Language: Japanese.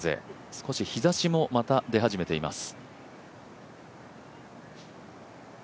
少し日ざしもまたではじめています。